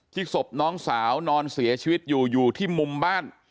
ศพน้องสาวนอนเสียชีวิตอยู่อยู่ที่มุมบ้าน